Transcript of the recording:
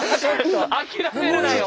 諦めるなよ！